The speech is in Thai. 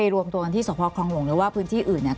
รวมตัวที่สภพครองหลวงหรือว่าพื้นที่อื่น